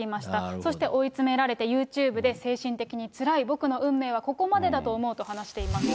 そして追い詰められて、ユーチューブで、精神的につらい、僕の運命はここまでだと思うと話していました。